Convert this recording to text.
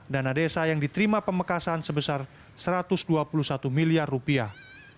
dana desa yang diterima pemekasan sebesar satu ratus dua puluh satu miliar rupiah